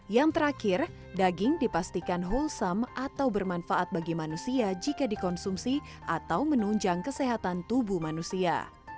yang terakhir daging dipastikan wholesome atau bermanfaat bagi manusia jika dikonsumsi atau menunjang kesehatan tubuh manusia